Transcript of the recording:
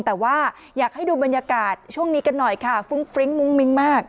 แต่ว่าอยากให้ดูบรรยากาศช่วงนี้กันหน่อยค่ะฟุ้งฟริ้งมุ้งมิ้งมาก